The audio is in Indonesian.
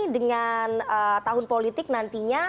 dengan tahun politik nantinya